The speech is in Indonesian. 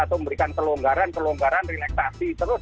memberikan kelonggaran kelonggaran relaksasi terus